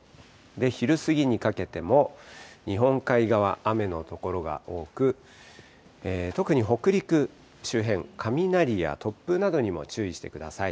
昼過ぎにかけても、日本海側、雨の所が多く、特に北陸周辺、雷や突風などにも注意してください。